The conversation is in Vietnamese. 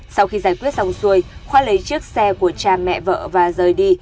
sau khi giải quyết xong xuôi khoa lấy chiếc xe của cha mẹ vợ và rời đi